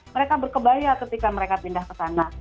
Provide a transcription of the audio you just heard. mereka berkebaya ketika mereka pindah ke sana